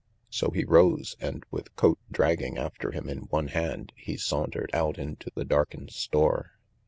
So he rose, and with coat dragging after him in one hand he sauntered out into the darkened store.